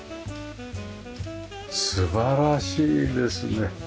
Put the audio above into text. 素晴らしいですね。